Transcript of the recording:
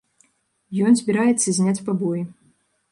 Ён збіраецца зняць пабоі.